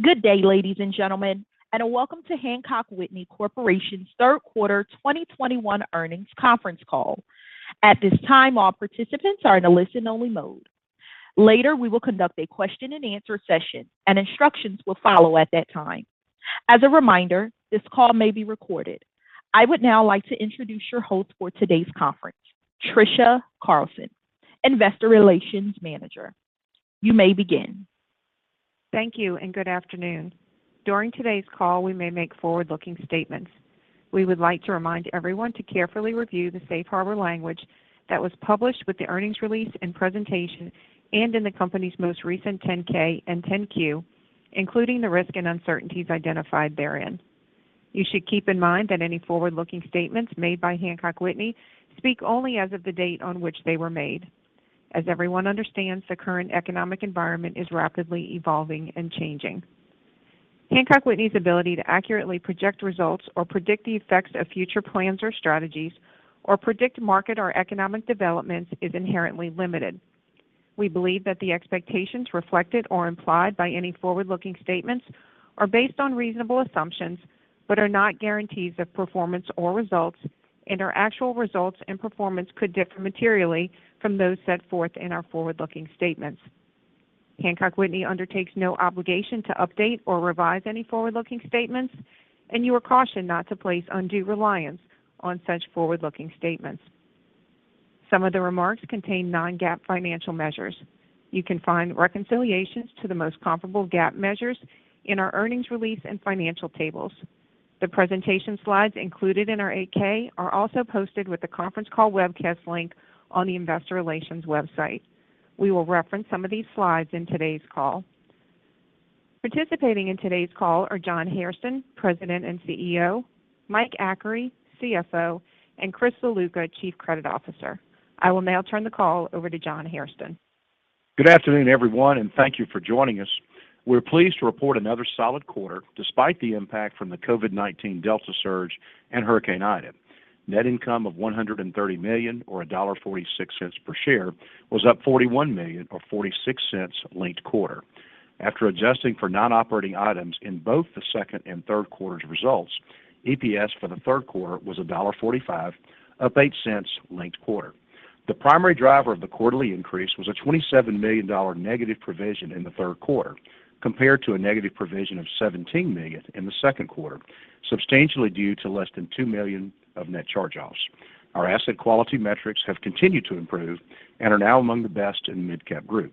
Good day, ladies and gentlemen, and welcome to Hancock Whitney Corporation's third quarter 2021 earnings conference call. At this time, all participants are in a listen-only mode. Later, we will conduct a question and answer session, and instructions will follow at that time. As a reminder, this call may be recorded. I would now like to introduce your host for today's conference, Trisha Carlson, Investor Relations Manager. You may begin. Thank you, and good afternoon. During today's call, we may make forward-looking statements. We would like to remind everyone to carefully review the safe harbor language that was published with the earnings release and presentation, and in the company's most recent 10-K and 10-Q, including the risk and uncertainties identified therein. You should keep in mind that any forward-looking statements made by Hancock Whitney speak only as of the date on which they were made. As everyone understands, the current economic environment is rapidly evolving and changing. Hancock Whitney's ability to accurately project results or predict the effects of future plans or strategies, or predict market or economic developments is inherently limited. We believe that the expectations reflected or implied by any forward-looking statements are based on reasonable assumptions but are not guarantees of performance or results, and our actual results and performance could differ materially from those set forth in our forward-looking statements. Hancock Whitney undertakes no obligation to update or revise any forward-looking statements, and you are cautioned not to place undue reliance on such forward-looking statements. Some of the remarks contain non-GAAP financial measures. You can find reconciliations to the most comparable GAAP measures in our earnings release and financial tables. The presentation slides included in our 8-K are also posted with the conference call webcast link on the investor relations website. We will reference some of these slides in today's call. Participating in today's call are John Hairston, President and CEO, Mike Achary, CFO, and Chris Ziluca, Chief Credit Officer. I will now turn the call over to John Hairston. Good afternoon, everyone, and thank you for joining us. We're pleased to report another solid quarter, despite the impact from the COVID-19 Delta surge and Hurricane Ida. Net income of $130 million, or $1.46 per share, was up $41 million, or $0.46 linked quarter. After adjusting for non-operating items in both the second and third quarters' results, EPS for the third quarter was $1.45, up $0.08 linked quarter. The primary driver of the quarterly increase was a $27 million negative provision in the third quarter, compared to a negative provision of $17 million in the second quarter, substantially due to less than $2 million of net charge-offs. Our asset quality metrics have continued to improve and are now among the best in the midcap group.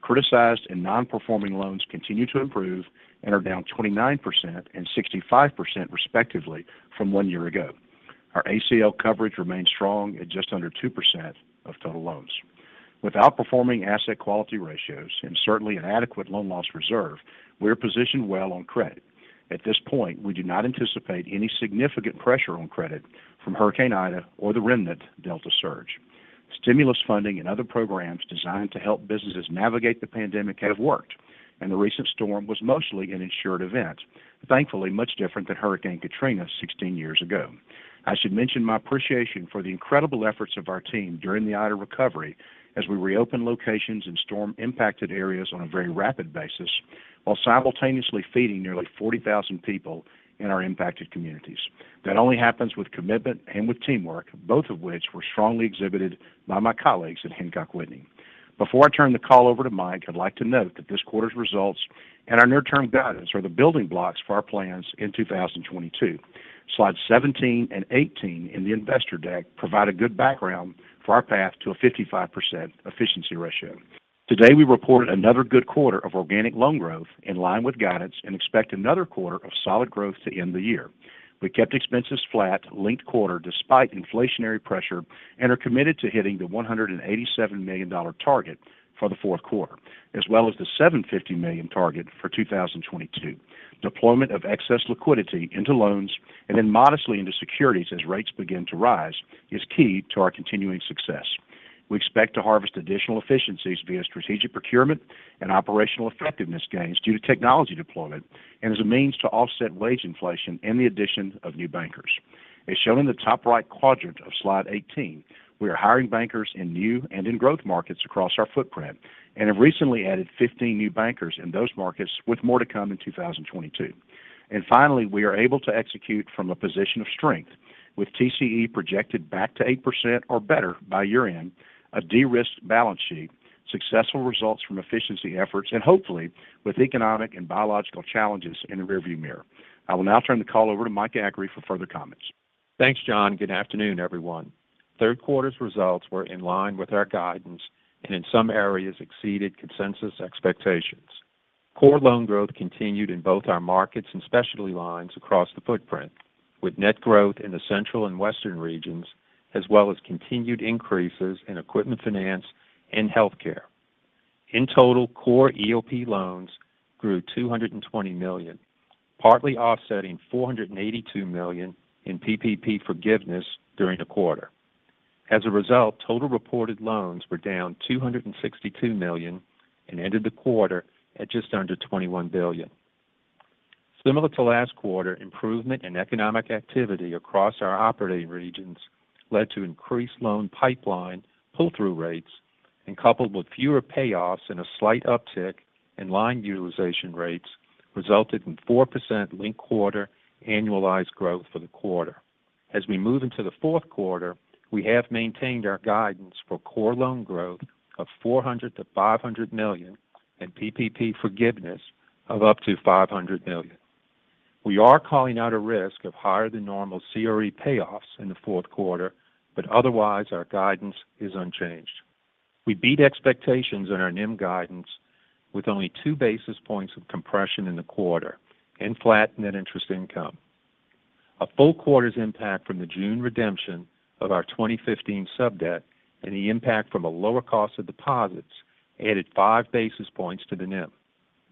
Criticized and non-performing loans continue to improve and are down 29% and 65% respectively from one year ago. Our ACL coverage remains strong at just under 2% of total loans. With outperforming asset quality ratios and certainly an adequate loan loss reserve, we are positioned well on credit. At this point, we do not anticipate any significant pressure on credit from Hurricane Ida or the remnant Delta surge. Stimulus funding and other programs designed to help businesses navigate the pandemic have worked, and the recent storm was mostly an insured event. Thankfully, much different than Hurricane Katrina 16 years ago. I should mention my appreciation for the incredible efforts of our team during the Ida recovery as we reopen locations in storm-impacted areas on a very rapid basis while simultaneously feeding nearly 40,000 people in our impacted communities. That only happens with commitment and with teamwork, both of which were strongly exhibited by my colleagues at Hancock Whitney. Before I turn the call over to Mike, I'd like to note that this quarter's results and our near-term guidance are the building blocks for our plans in 2022. Slide 17 and 18 in the investor deck provide a good background for our path to a 55% efficiency ratio. Today, we reported another good quarter of organic loan growth in line with guidance and expect another quarter of solid growth to end the year. We kept expenses flat linked quarter despite inflationary pressure and are committed to hitting the $187 million target for the fourth quarter, as well as the $750 million target for 2022. Deployment of excess liquidity into loans and then modestly into securities as rates begin to rise is key to our continuing success. We expect to harvest additional efficiencies via strategic procurement and operational effectiveness gains due to technology deployment and as a means to offset wage inflation and the addition of new bankers. As shown in the top right quadrant of slide 18, we are hiring bankers in new and in growth markets across our footprint and have recently added 15 new bankers in those markets, with more to come in 2022. Finally, we are able to execute from a position of strength with TCE projected back to 8% or better by year-end, a de-risked balance sheet, successful results from efficiency efforts, and hopefully, with economic and biological challenges in the rear view mirror. I will now turn the call over to Mike Achary for further comments. Thanks, John. Good afternoon, everyone. Third quarter's results were in line with our guidance and in some areas exceeded consensus expectations. Core loan growth continued in both our markets and specialty lines across the footprint, with net growth in the central and western regions, as well as continued increases in equipment finance and healthcare. In total, core EOP loans grew $220 million, partly offsetting $482 million in PPP forgiveness during the quarter. As a result, total reported loans were down $262 million and ended the quarter at just under $21 billion. Similar to last quarter, improvement in economic activity across our operating regions led to increased loan pipeline pull-through rates, and coupled with fewer payoffs and a slight uptick in line utilization rates, resulted in 4% linked-quarter annualized growth for the quarter. As we move into the fourth quarter, we have maintained our guidance for core loan growth of $400 million-$500 million, and PPP forgiveness of up to $500 million. We are calling out a risk of higher than normal CRE payoffs in the fourth quarter, but otherwise, our guidance is unchanged. We beat expectations on our NIM guidance with only 2 basis points of compression in the quarter and flat net interest income. A full quarter's impact from the June redemption of our 2015 sub-debt and the impact from a lower cost of deposits added 5 basis points to the NIM.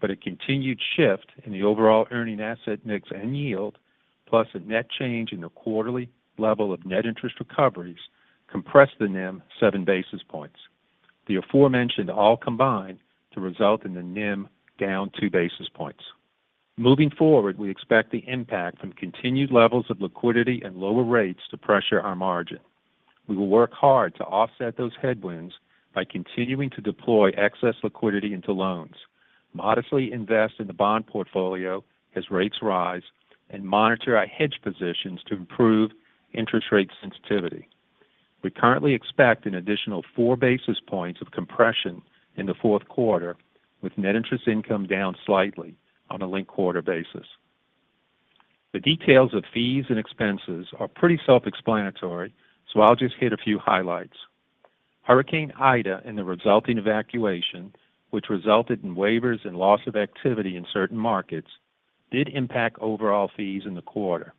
A continued shift in the overall earning asset mix and yield, plus a net change in the quarterly level of net interest recoveries compressed the NIM 7 basis points. The aforementioned all combined to result in the NIM down 2 basis points. Moving forward, we expect the impact from continued levels of liquidity and lower rates to pressure our margin. We will work hard to offset those headwinds by continuing to deploy excess liquidity into loans, modestly invest in the bond portfolio as rates rise, and monitor our hedge positions to improve interest rate sensitivity. We currently expect an additional 4 basis points of compression in the fourth quarter, with net interest income down slightly on a linked-quarter basis. The details of fees and expenses are pretty self-explanatory, so I'll just hit a few highlights. Hurricane Ida and the resulting evacuation, which resulted in waivers and loss of activity in certain markets, did impact overall fees in the quarter.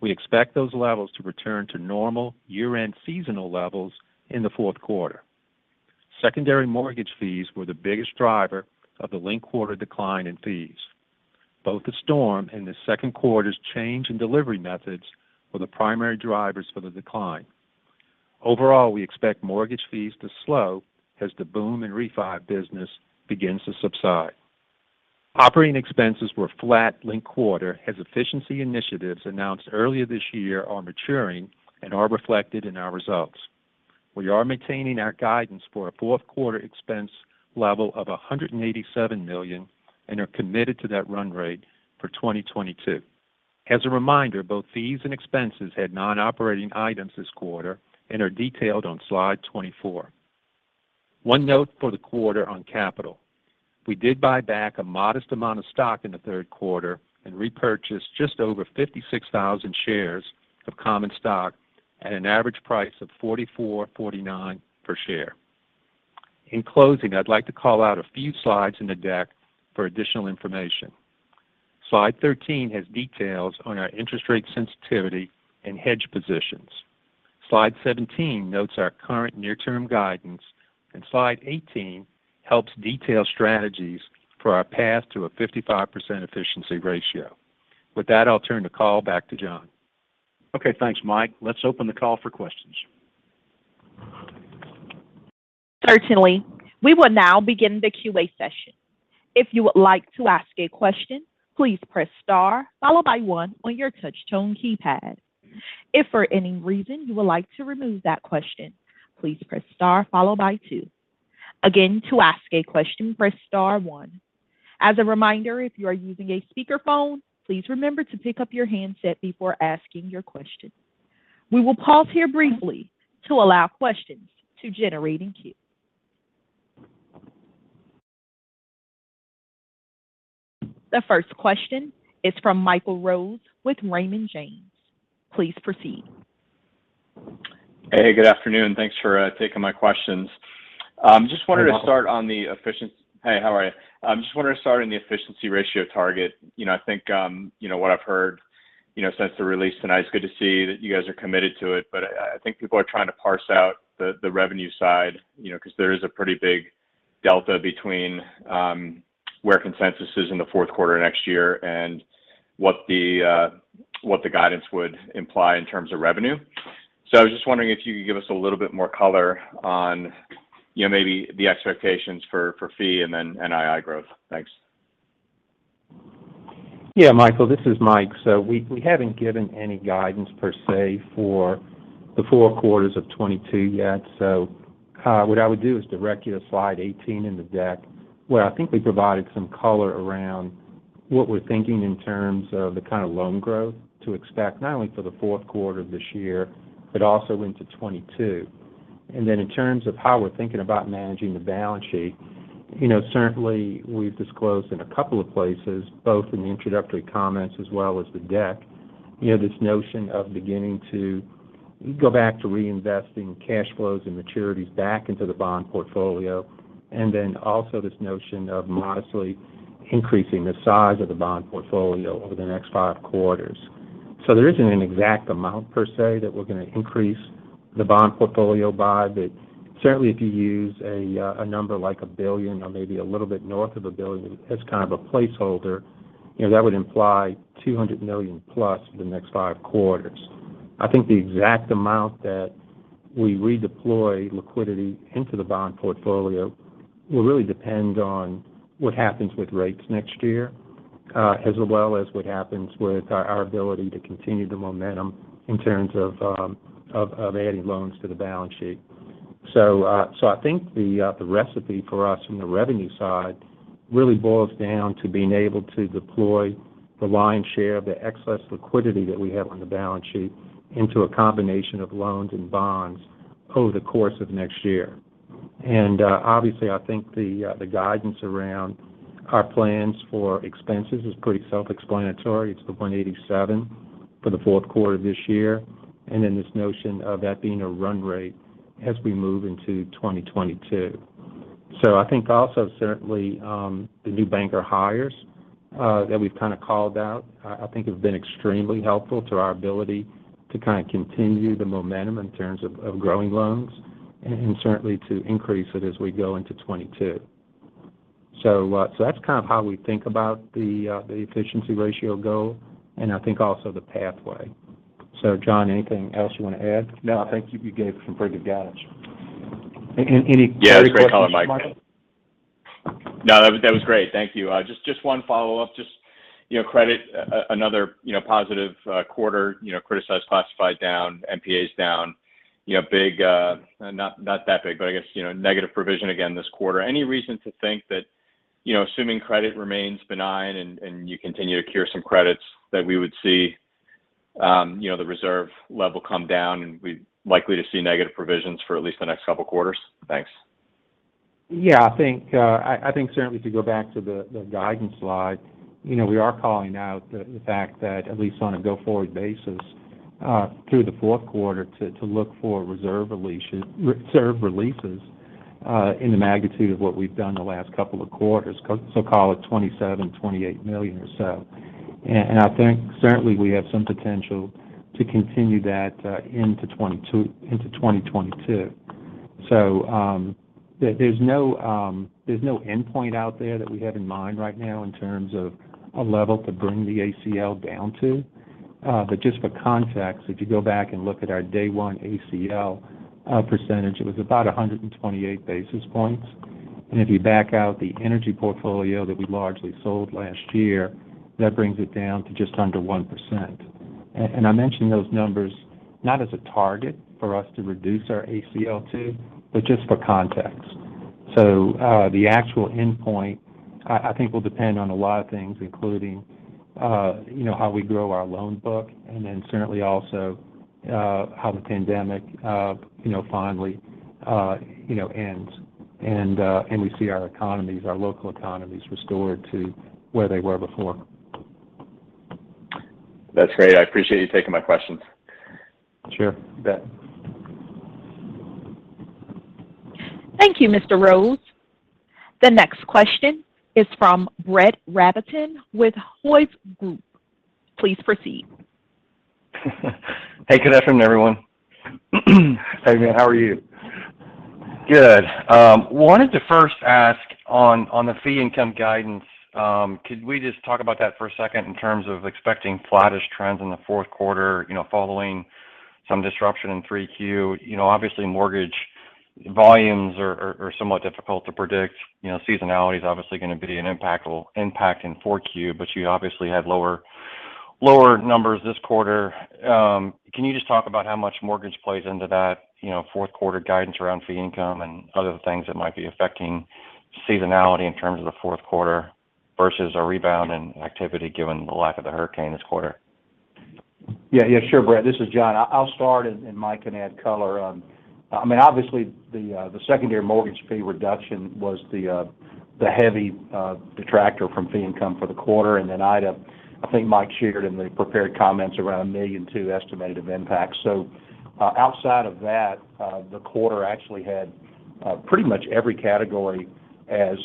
We expect those levels to return to normal year-end seasonal levels in the fourth quarter. Secondary mortgage fees were the biggest driver of the linked-quarter decline in fees. Both the storm and the second quarter's change in delivery methods were the primary drivers for the decline. Overall, we expect mortgage fees to slow as the boom in refi business begins to subside. Operating expenses were flat linked quarter as efficiency initiatives announced earlier this year are maturing and are reflected in our results. We are maintaining our guidance for a fourth quarter expense level of $187 million and are committed to that run rate for 2022. As a reminder, both fees and expenses had non-operating items this quarter and are detailed on slide 24. One note for the quarter on capital. We did buy back a modest amount of stock in the third quarter and repurchased just over 56,000 shares of common stock at an average price of $44.49 per share. In closing, I'd like to call out a few slides in the deck for additional information. Slide 13 has details on our interest rate sensitivity and hedge positions. Slide 17 notes our current near-term guidance, and slide 18 helps detail strategies for our path to a 55% efficiency ratio. With that, I'll turn the call back to John. Okay, thanks, Mike. Let's open the call for questions. Certainly. We will now begin the Q&A session. If you would like to ask a question, please press star, followed by one on your touch tone keypad. If for any reason you would like to remove that question, please press star followed by two. Again, to ask a question, please press star one. As a reminder, if you are using a speakerphone, please remember to pick up your handset before asking your question. We will pause here briefly to allow questions to generate in queue. The first question is from Michael Rose with Raymond James. Please proceed. Hey, good afternoon. Thanks for taking my questions. You're welcome. Hey, how are you? Just wanted to start on the efficiency ratio target. I think, what I've heard since the release tonight, it's good to see that you guys are committed to it, but I think people are trying to parse out the revenue side because there is a pretty big Delta between where consensus is in the fourth quarter next year and what the guidance would imply in terms of revenue. I was just wondering if you could give us a little bit more color on maybe the expectations for fee and then NII growth. Thanks. Yeah, Michael, this is Mike. We haven't given any guidance per se for the four quarters of 2022 yet. What I would do is direct you to slide 18 in the deck, where I think we provided some color around what we're thinking in terms of the kind of loan growth to expect, not only for the fourth quarter this year, but also into 2022. In terms of how we're thinking about managing the balance sheet, certainly we've disclosed in a couple of places, both in the introductory comments as well as the deck, this notion of beginning to go back to reinvesting cash flows and maturities back into the bond portfolio, and also this notion of modestly increasing the size of the bond portfolio over the next five quarters. There isn't an exact amount per se that we're going to increase the bond portfolio by. Certainly, if you use a number like $1 billion or maybe a little bit north of $1 billion as kind of a placeholder, that would imply $200 million plus for the next five quarters. I think the exact amount that we redeploy liquidity into the bond portfolio will really depend on what happens with rates next year, as well as what happens with our ability to continue the momentum in terms of adding loans to the balance sheet. I think the recipe for us from the revenue side really boils down to being able to deploy the lion's share of the excess liquidity that we have on the balance sheet into a combination of loans and bonds over the course of next year. Obviously, I think the guidance around our plans for expenses is pretty self-explanatory. It's the $187 for the fourth quarter of this year, and then this notion of that being a run rate as we move into 2022. I think also certainly, the new banker hires that we've kind of called out, I think have been extremely helpful to our ability to kind of continue the momentum in terms of growing loans and certainly to increase it as we go into 2022. That's kind of how we think about the efficiency ratio goal and I think also the pathway. John, anything else you want to add? No, I think you gave some pretty good guidance. Any questions, Michael? Yeah, that's great color, Mike. No, that was great. Thank you. Just one follow-up. Just credit another positive quarter, criticized classified down, NPAs down, not that big, but I guess negative provision again this quarter. Any reason to think that assuming credit remains benign and you continue to cure some credits that we would see the reserve level come down and we're likely to see negative provisions for at least the next couple of quarters? Thanks. Yeah, I think certainly if you go back to the guidance slide, we are calling out the fact that at least on a go-forward basis through the fourth quarter to look for reserve releases in the magnitude of what we've done the last couple of quarters, so call it $27 million-$28 million or so. I think certainly we have some potential to continue that into 2022. There's no endpoint out there that we have in mind right now in terms of a level to bring the ACL down to. Just for context, if you go back and look at our day one ACL percentage, it was about 128 basis points. If you back out the energy portfolio that we largely sold last year, that brings it down to just under 1%. I mention those numbers not as a target for us to reduce our ACL to, but just for context. The actual endpoint, I think, will depend on a lot of things, including how we grow our loan book, and then certainly also how the pandemic finally ends, and we see our local economies restored to where they were before. That's great. I appreciate you taking my questions. Sure. You bet. Thank you, Mr. Rose. The next question is from Brett Rabatin with Hovde Group. Please proceed. Hey, good afternoon, everyone. Hey, man. How are you? Good. Wanted to first ask on the fee income guidance, could we just talk about that for a second in terms of expecting flattish trends in the fourth quarter following some disruption in 3Q? Obviously, mortgage volumes are somewhat difficult to predict. Seasonality is obviously going to be an impact in 4Q, but you obviously had lower numbers this quarter. Can you just talk about how much mortgage plays into that fourth quarter guidance around fee income and other things that might be affecting seasonality in terms of the fourth quarter versus a rebound in activity given the lack of the Hurricane this quarter? Yeah, sure, Brett. This is John. I'll start and Mike can add color. Obviously the secondary mortgage fee reduction was the heavy detractor from fee income for the quarter. Hurricane Ida, I think Mike shared in the prepared comments around $1.2 million estimated of impact. Outside of that, the quarter actually had pretty much every category as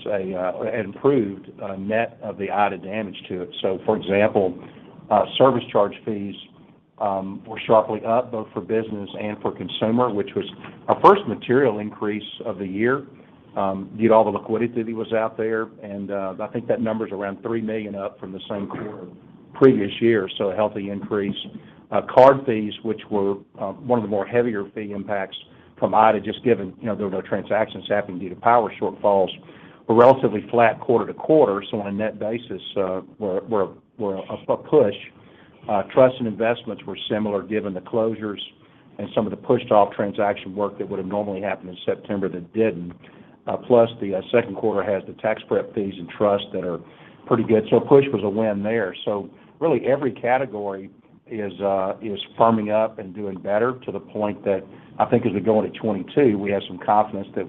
improved net of the Hurricane Ida damage to it. For example, service charge fees were sharply up both for business and for consumer, which was our first material increase of the year due to all the liquidity that was out there. I think that number's around $3 million up from the same quarter previous year, a healthy increase. Card fees, which were one of the more heavier fee impacts from Hurricane Ida, just given there were no transactions happening due to power shortfalls, were relatively flat quarter-over-quarter. On a net basis, were of a push. Trust and investments were similar given the closures and some of the pushed off transaction work that would've normally happened in September that didn't. Plus the second quarter has the tax prep fees and trusts that are pretty good. Push was a win there. Really every category is firming up and doing better to the point that I think as we go into 2022, we have some confidence that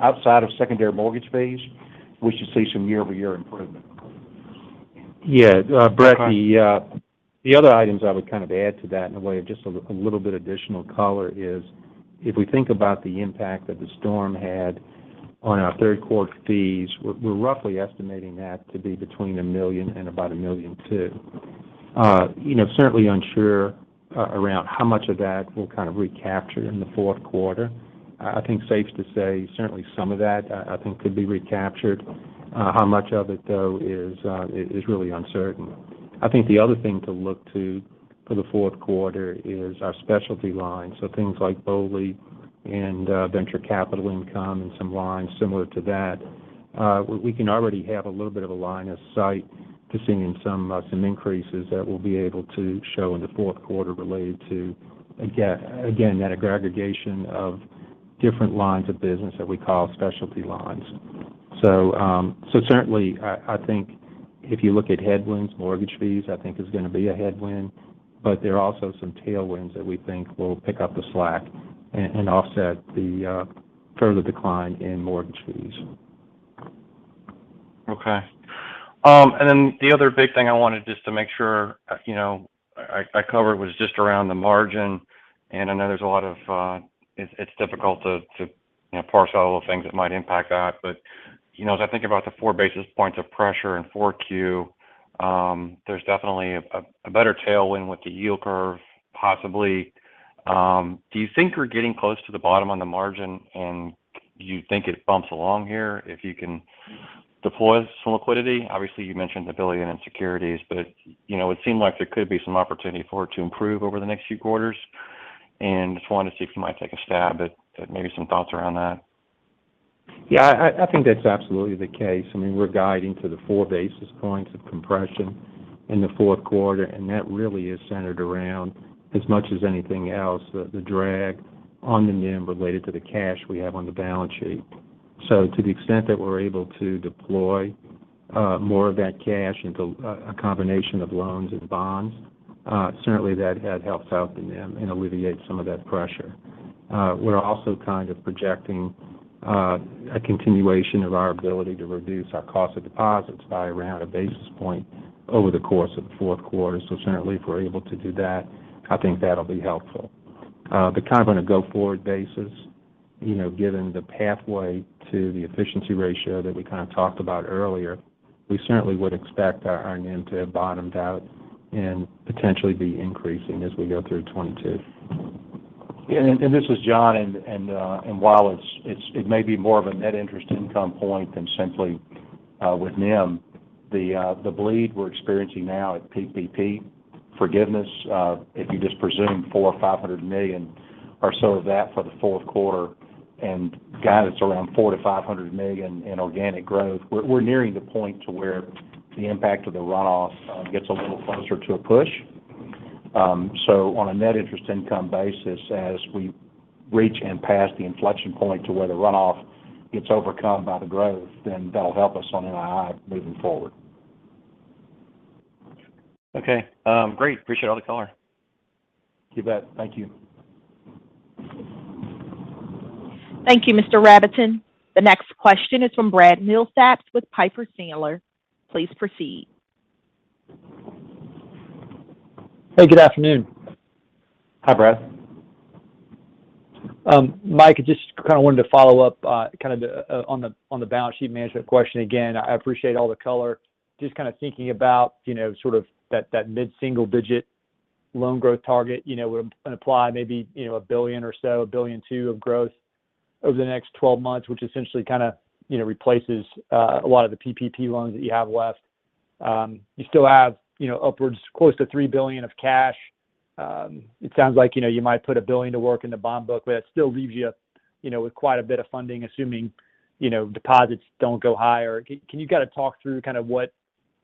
outside of secondary mortgage fees, we should see some year-over-year improvement. Yeah. Brett, the other items I would kind of add to that in the way of just a little bit additional color is if we think about the impact that the storm had on our third quarter fees, we're roughly estimating that to be between $1 million and about $1.2 million. Certainly unsure around how much of that we'll kind of recapture in the fourth quarter. I think safe to say certainly some of that I think could be recaptured. How much of it though is really uncertain. I think the other thing to look to for the fourth quarter is our specialty lines, so things like BOLI and venture capital income, and some lines similar to that. We can already have a little bit of a line of sight to seeing some increases that we'll be able to show in the fourth quarter related to, again, that aggregation of different lines of business that we call specialty lines. Certainly, I think if you look at headwinds, mortgage fees, I think is going to be a headwind, but there are also some tailwinds that we think will pick up the slack and offset the further decline in mortgage fees. Okay. The other big thing I wanted just to make sure I cover was just around the margin. I know it's difficult to parse out all the things that might impact that. As I think about the 4 basis points of pressure in 4Q, there's definitely a better tailwind with the yield curve, possibly. Do you think we're getting close to the bottom on the margin? Do you think it bumps along here if you can deploy some liquidity? Obviously, you mentioned the $1 billion in securities. It seemed like there could be some opportunity for it to improve over the next few quarters. Just wanted to see if you might take a stab at maybe some thoughts around that. Yeah, I think that's absolutely the case. We're guiding to the 4 basis points of compression in the fourth quarter, that really is centered around, as much as anything else, the drag on the NIM related to the cash we have on the balance sheet. To the extent that we're able to deploy more of that cash into a combination of loans and bonds, certainly that helps out the NIM and alleviates some of that pressure. We're also kind of projecting a continuation of our ability to reduce our cost of deposits by around 1 basis point over the course of the fourth quarter. Certainly, if we're able to do that, I think that'll be helpful. On a go-forward basis, given the pathway to the efficiency ratio that we kind of talked about earlier, we certainly would expect our NIM to have bottomed out and potentially be increasing as we go through 2022. This is John, while it may be more of a net interest income point than simply with NIM, the bleed we're experiencing now at PPP forgiveness, if you just presume $400 million or $500 million or so of that for the fourth quarter and guidance around $400 million-$500 million in organic growth, we're nearing the point to where the impact of the runoff gets a little closer to a push. On a net interest income basis, as we reach and pass the inflection point to where the runoff gets overcome by the growth, then that'll help us on NII moving forward. Okay. Great. Appreciate all the color. You bet. Thank you. Thank you, Mr. Rabatin. The next question is from Brad Milsaps with Piper Sandler. Please proceed. Hey, good afternoon. Hi, Brad. Mike, just kind of wanted to follow up on the balance sheet management question again. I appreciate all the color. Just kind of thinking about that mid-single-digit loan growth target would imply maybe $1 billion or so, $1.2 billion of growth over the next 12 months, which essentially kind of replaces a lot of the PPP loans that you have left. You still have upwards close to $3 billion of cash. It sounds like you might put $1 billion to work in the bond book, but that still leaves you with quite a bit of funding, assuming deposits don't go higher. Can you kind of talk through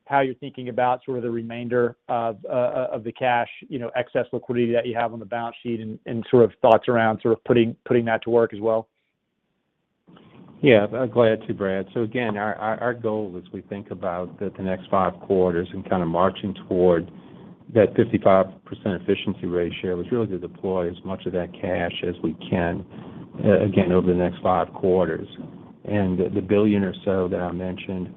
how you're thinking about the remainder of the cash, excess liquidity that you have on the balance sheet and thoughts around putting that to work as well? Yeah. Glad to, Brad Milsaps. Again, our goal as we think about the next five quarters and kind of marching toward that 55% efficiency ratio is really to deploy as much of that cash as we can, again, over the next five quarters. The $1 billion or so that I mentioned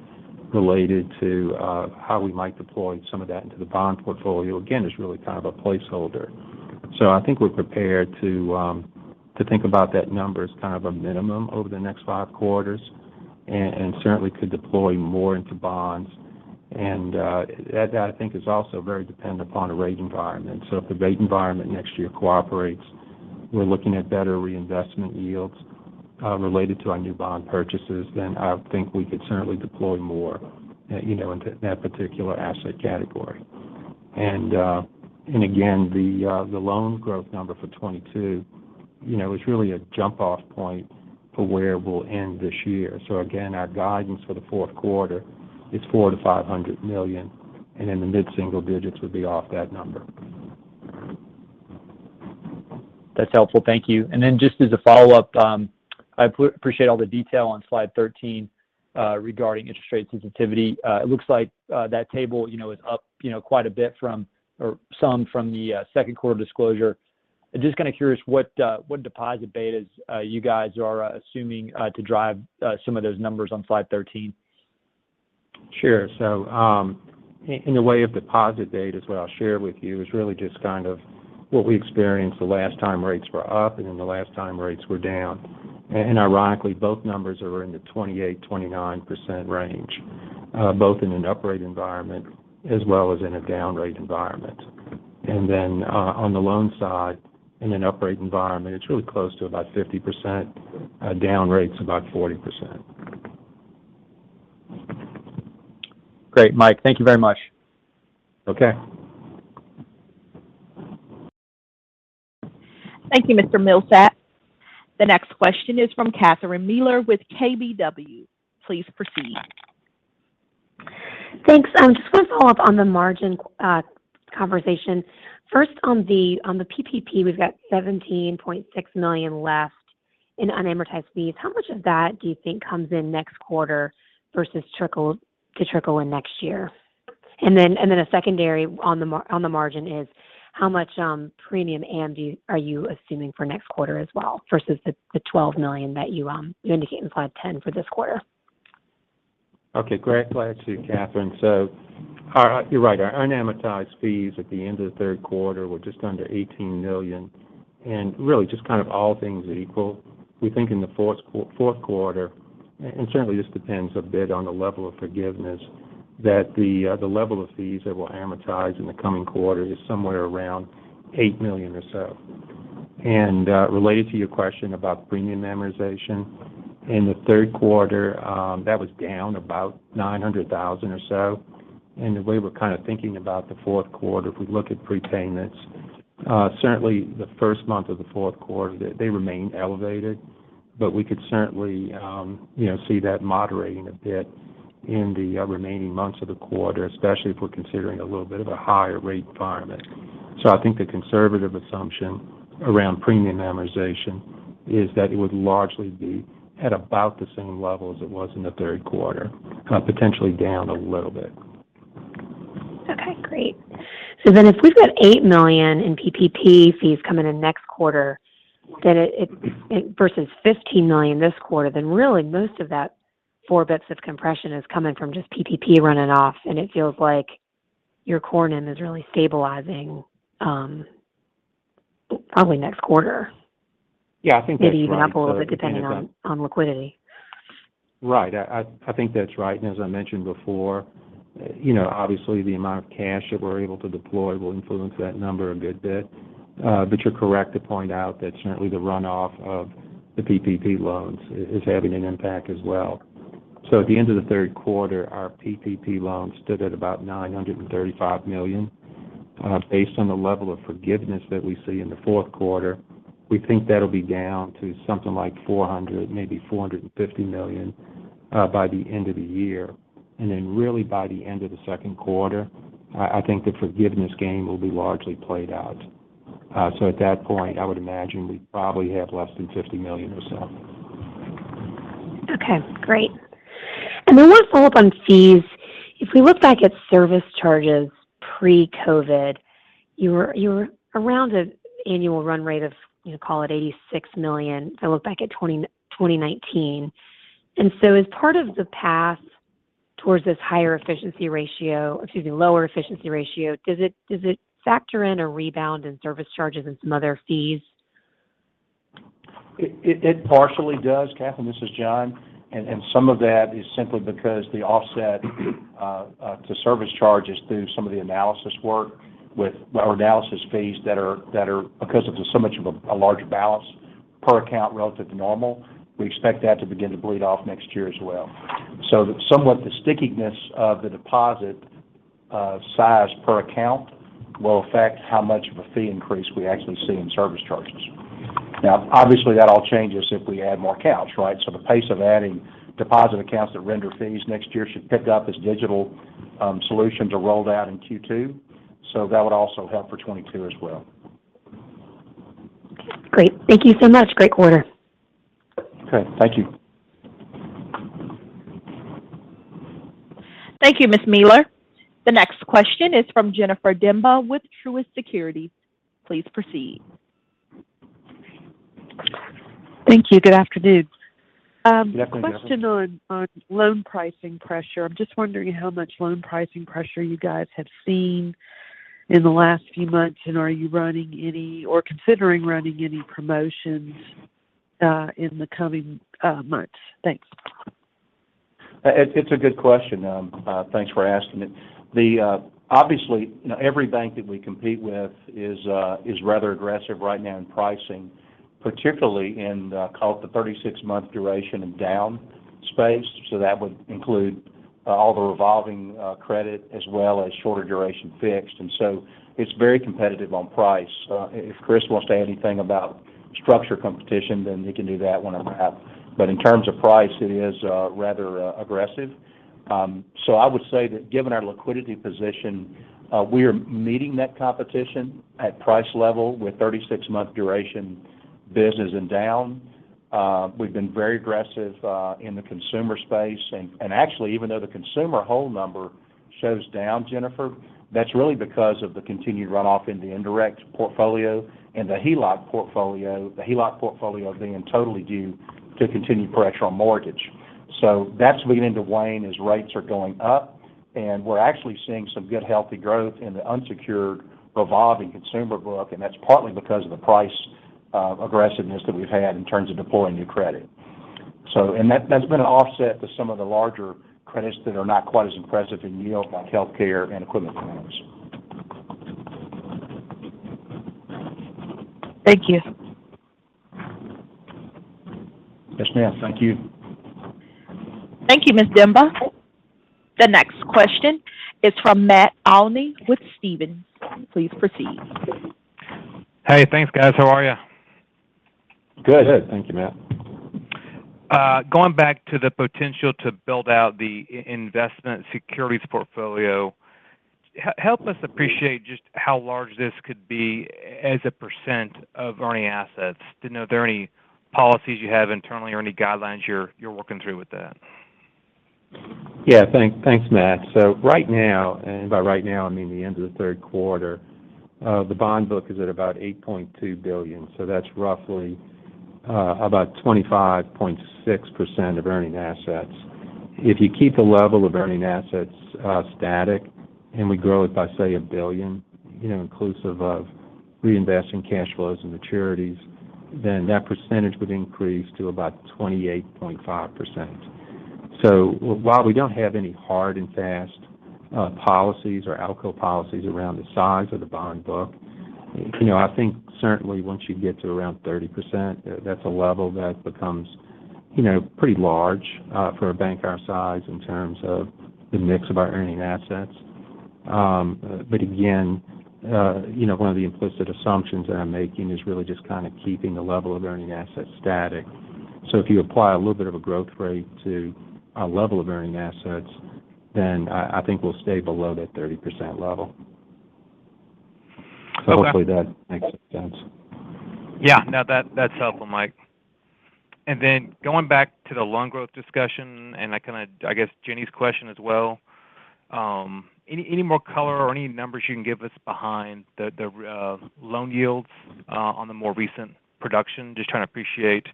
related to how we might deploy some of that into the bond portfolio, again, is really kind of a placeholder. I think we're prepared to think about that number as kind of a minimum over the next five quarters, and certainly could deploy more into bonds. That, I think, is also very dependent upon a rate environment. If the rate environment next year cooperates, we're looking at better reinvestment yields related to our new bond purchases, then I think we could certainly deploy more into that particular asset category. Again, the loan growth number for 2022 is really a jump-off point for where we'll end this year. Again, our guidance for the fourth quarter is $400 million-$500 million, and then the mid-single digits would be off that number. That's helpful. Thank you. Then just as a follow-up, I appreciate all the detail on slide 13 regarding interest rate sensitivity. It looks like that table is up quite a bit from, or some from the second quarter disclosure. Just kind of curious what deposit betas you guys are assuming to drive some of those numbers on slide 13. Sure. In the way of deposit betas, what I'll share with you is really just kind of what we experienced the last time rates were up and the last time rates were down. Ironically, both numbers are in the 28%-29% range, both in an up rate environment as well as in a down rate environment. On the loan side, in an up rate environment, it's really close to about 50%, down rate's about 40%. Great, Mike. Thank you very much. Okay. Thank you, Mr. Millsaps. The next question is from Catherine Mealor with KBW. Please proceed. Thanks. Just want to follow up on the margin conversation. First, on the PPP, we've got $17.6 million left in unamortized fees. How much of that do you think comes in next quarter versus to trickle in next year? Then a secondary on the margin is how much premium and are you assuming for next quarter as well versus the $12 million that you indicate in slide 10 for this quarter? Great question, Catherine. You're right. Our unamortized fees at the end of the third quarter were just under $18 million, and really just kind of all things equal, we think in the fourth quarter, and certainly this depends a bit on the level of forgiveness, that the level of fees that will amortize in the coming quarter is somewhere around $8 million or so. Related to your question about premium amortization, in the third quarter that was down about $900,000 or so. The way we're kind of thinking about the fourth quarter, if we look at prepayments, certainly the first month of the fourth quarter, they remain elevated, but we could certainly see that moderating a bit in the remaining months of the quarter, especially if we're considering a little bit of a higher rate environment. I think the conservative assumption around premium amortization is that it would largely be at about the same level as it was in the third quarter, potentially down a little bit. Okay, great. If we've got $8 million in PPP fees coming in next quarter versus $15 million this quarter, then really most of that 4 basis points of compression is coming from just PPP running off, and it feels like your core NIM is really stabilizing probably next quarter. Yeah, I think that's right. Maybe even up a little bit depending on liquidity. Right. I think that's right. As I mentioned before, obviously the amount of cash that we're able to deploy will influence that number a good bit. You're correct to point out that certainly the runoff of the PPP loans is having an impact as well. At the end of the third quarter, our PPP loans stood at about $935 million. Based on the level of forgiveness that we see in the fourth quarter, we think that'll be down to something like $400 million, maybe $450 million by the end of the year. Really by the end of the second quarter, I think the forgiveness game will be largely played out. At that point, I would imagine we'd probably have less than $50 million or so. Okay, great. One follow-up on fees. If we look back at service charges pre-COVID, you were around an annual run rate of, call it $86 million. If I look back at 2019. As part of the path towards this higher efficiency ratio, excuse me, lower efficiency ratio, does it factor in a rebound in service charges and some other fees? It partially does, Catherine. This is John. Some of that is simply because the offset to service charge is through some of the analysis work with our analysis fees that are because of so much of a large balance per account relative to normal. We expect that to begin to bleed off next year as well. Somewhat the stickiness of the deposit size per account will affect how much of a fee increase we actually see in service charges. Obviously, that all changes if we add more accounts, right? The pace of adding deposit accounts that render fees next year should pick up as digital solutions are rolled out in Q2. That would also help for 2022 as well. Great. Thank you so much. Great quarter. Okay. Thank you. Thank you, Ms. Mealor. The next question is from Jennifer Demba with Truist Securities. Please proceed. Thank you. Good afternoon. Good afternoon. Question on loan pricing pressure. I'm just wondering how much loan pricing pressure you guys have seen in the last few months, and are you running any or considering running any promotions in the coming months? Thanks. It's a good question. Thanks for asking it. Obviously, every bank that we compete with is rather aggressive right now in pricing, particularly in call it the 36-month duration and down space. That would include all the revolving credit as well as shorter duration fixed, and so it's very competitive on price. If Chris wants to add anything about structure competition, he can do that when I wrap. In terms of price, it is rather aggressive. I would say that given our liquidity position, we are meeting that competition at price level with 36-month duration business and down. We've been very aggressive in the consumer space. Actually, even though the consumer whole number shows down, Jennifer, that's really because of the continued runoff in the indirect portfolio and the HELOC portfolio, the HELOC portfolio being totally due to continued pressure on mortgage. That's beginning to wane as rates are going up, and we're actually seeing some good, healthy growth in the unsecured revolving consumer book, and that's partly because of the price aggressiveness that we've had in terms of deploying new credit. That's been an offset to some of the larger credits that are not quite as impressive in yield like healthcare and equipment finance. Thank you. Yes, ma'am. Thank you. Thank you, Ms. Demba. The next question is from Matt Olney with Stephens. Please proceed. Hey, thanks guys. How are you? Good. Thank you, Matt. Going back to the potential to build out the investment securities portfolio, help us appreciate just how large this could be as a percent of earning assets. Do you know, are there any policies you have internally or any guidelines you're working through with that? Yeah. Thanks, Matt. Right now, and by right now, I mean the end of the third quarter, the bond book is at about $8.2 billion. That's roughly about 25.6% of earning assets. If you keep the level of earning assets static, and we grow it by, say, $1 billion, inclusive of reinvesting cash flows and maturities, then that percentage would increase to about 28.5%. While we don't have any hard and fast policies or ALCO policies around the size of the bond book, I think certainly once you get to around 30%, that's a level that becomes pretty large for a bank our size in terms of the mix of our earning assets. Again, one of the implicit assumptions that I'm making is really just kind of keeping the level of earning assets static. If you apply a little bit of a growth rate to our level of earning assets, then I think we'll stay below that 30% level. Okay. Hopefully that makes sense. Yeah. No, that's helpful, Mike. Then going back to the loan growth discussion and I guess Jenny's question as well, any more color or any numbers you can give us behind the loan yields on the more recent production? Just trying to appreciate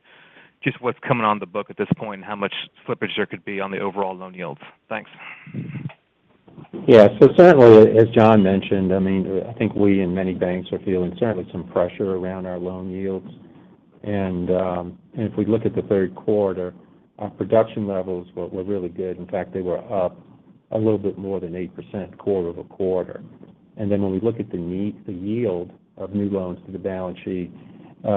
just what's coming on the book at this point and how much slippage there could be on the overall loan yields. Thanks. Certainly as John mentioned, I think we and many banks are feeling certainly some pressure around our loan yields. If we look at the third quarter, our production levels were really good. In fact, they were up a little bit more than 8% quarter-over-quarter. When we look at the yield of new loans to the balance sheet,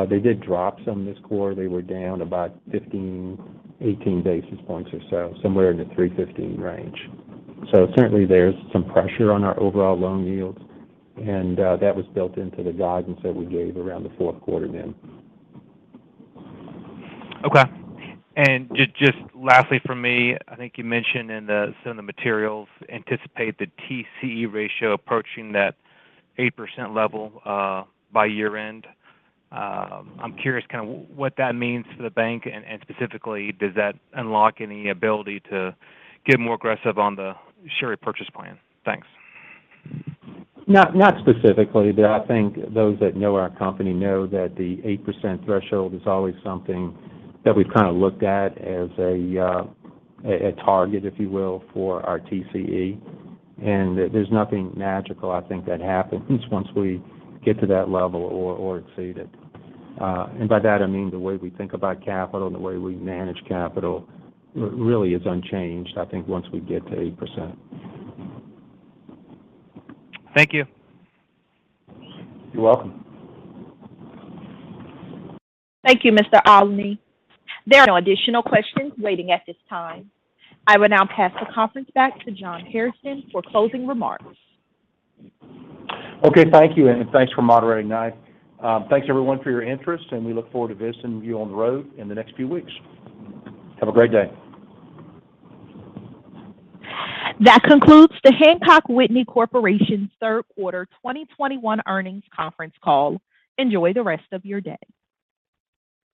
they did drop some this quarter. They were down about 15, 18 basis points or so, somewhere in the 315 range. Certainly there's some pressure on our overall loan yields, and that was built into the guidance that we gave around the fourth quarter. Okay. Just lastly from me, I think you mentioned in some of the materials anticipate the TCE ratio approaching that 8% level by year end. I'm curious kind of what that means for the bank and specifically does that unlock any ability to get more aggressive on the share repurchase plan? Thanks. Not specifically. I think those that know our company know that the 8% threshold is always something that we've kind of looked at as a target, if you will, for our TCE. There's nothing magical I think that happens once we get to that level or exceed it. By that I mean the way we think about capital and the way we manage capital really is unchanged I think once we get to 8%. Thank you. You're welcome. Thank you, Mr. Olney. There are no additional questions waiting at this time. I will now pass the conference back to John Hairston for closing remarks. Okay. Thank you. Thanks for moderating, Nive. Thanks everyone for your interest. We look forward to visiting you on the road in the next few weeks. Have a great day. That concludes the Hancock Whitney Corporation's third quarter 2021 earnings conference call. Enjoy the rest of your day.